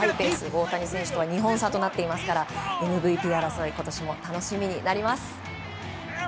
大谷選手とは２本差となっていますからＭＶＰ争い今年も楽しみになります。